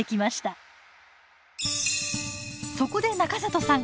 そこで中里さん